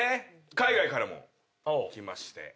海外からもきまして。